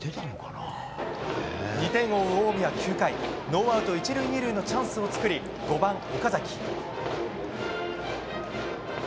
２点を追う近江は９回ノーアウト１塁２塁のチャンスを作り５番、岡崎。